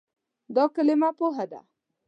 دا کلمه "پوهه" ده.